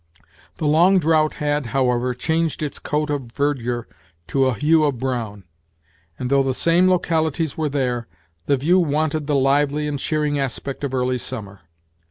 The long drought had, however, changed its coat of verdure to a hue of brown, and, though the same localities were there, the view wanted the lively and cheering aspect of early summer.